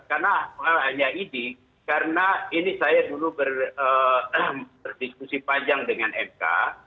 karena hanya idi karena ini saya dulu berdiskusi panjang dengan mk